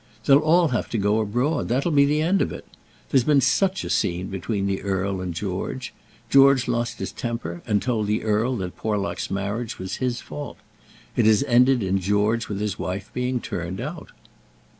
They'll all have to go abroad, that'll be the end of it. There's been such a scene between the earl and George. George lost his temper and told the earl that Porlock's marriage was his fault. It has ended in George with his wife being turned out."